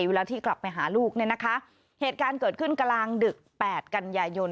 เวลาที่กลับไปหาลูกเนี่ยนะคะเหตุการณ์เกิดขึ้นกลางดึกแปดกันยายน